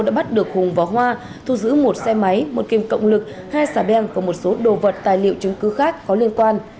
đã bắt được hùng và hoa thu giữ một xe máy một kim cộng lực hai xà beng và một số đồ vật tài liệu chứng cứ khác có liên quan